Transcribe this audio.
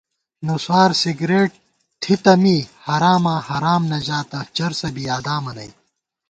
نُسارسگرېٹ تھِتہ می حراماں حرام نہ ژاتہ، چرسَہ بی یادامہ نئ